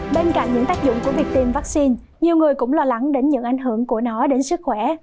bên cạnh những tác dụng của việc tiêm vaccine nhiều người cũng lo lắng đến những ảnh hưởng của nó đến sức khỏe